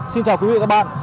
xin chào quý vị và các bạn